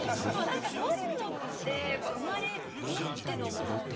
何かそういうのって生まれ持ってのものですよね。